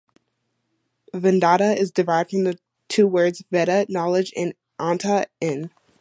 "Vedanta" is derived from two words, "veda" knowledge and "anta" end.